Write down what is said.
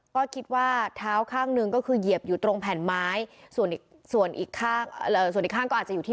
ก็คิดว่าเท้าข้างหนึ่งก็คือเหยียบอยู่ตรงแผ่นไม้